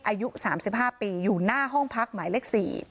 อายุสามสิบห้าปีอยู่หน้าห้องพักหมายเลขสี่